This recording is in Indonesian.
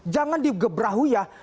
jangan di gebrahuyah